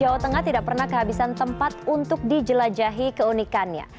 jawa tengah tidak pernah kehabisan tempat untuk dijelajahi keunikannya